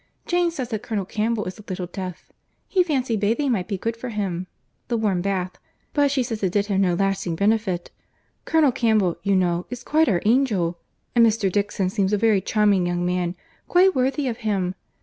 Jane says that Colonel Campbell is a little deaf. He fancied bathing might be good for it—the warm bath—but she says it did him no lasting benefit. Colonel Campbell, you know, is quite our angel. And Mr. Dixon seems a very charming young man, quite worthy of him.